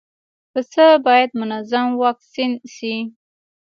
پسه باید منظم واکسین شي.